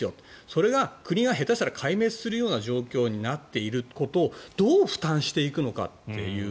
それが国が下手したら壊滅するような状況になっていることをどう負担していくのかという。